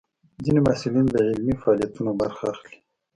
ځینې محصلین د علمي فعالیتونو برخه اخلي.